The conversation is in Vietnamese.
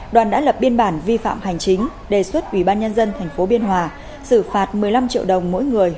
đoàn đã lập biên bản vi phạm hành chính đề xuất ủy ban nhân dân tp biên hòa xử phạt một mươi năm triệu đồng mỗi người